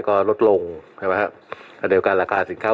ก็ไม่รู้ค่ะ